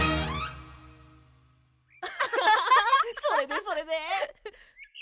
それでそれで？